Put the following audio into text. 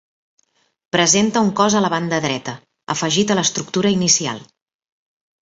Presenta un cos a la banda dreta, afegit a l'estructura inicial.